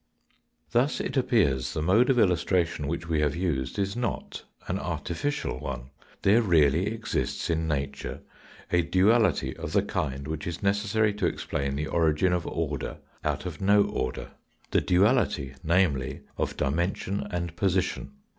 Thus it appears the mode of illustration which we have used is not an artificial one. There really exists in nature a duality of the kind which is necessary to explain the origin of order out of no order the duality, namely, of dimension and position.